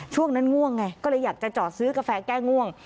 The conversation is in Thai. ช่วงนั้นง่วงไงก็เลยอยากจะจอดซื้อกาแฟแก้ง่วง